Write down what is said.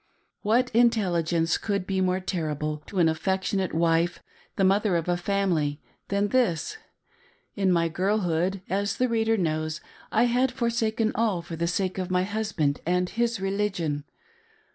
What intelligence could be more terrible to an affectionate wife, the mother of a family, than this. In my girlhood, as the reader knows, I had forsaken all for the sake of my hus band and his religion.